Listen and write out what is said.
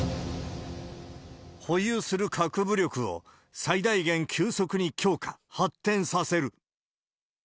保有する核武力を最大限急速に強化、発展させる。